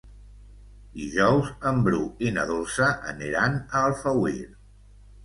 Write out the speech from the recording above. Dijous en Bru i na Dolça aniran a Alfauir.